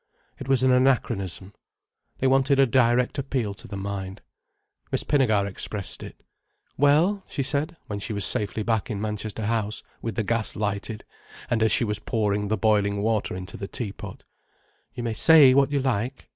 It was an anachronism. They wanted a direct appeal to the mind. Miss Pinnegar expressed it. "Well," she said, when she was safely back in Manchester House, with the gas lighted, and as she was pouring the boiling water into the tea pot, "You may say what you like.